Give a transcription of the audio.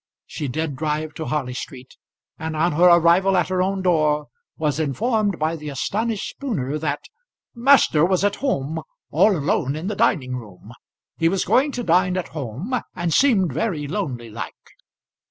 She did drive to Harley Street, and on her arrival at her own door was informed by the astonished Spooner that, "Master was at home, all alone in the dining room. He was going to dine at home, and seemed very lonely like."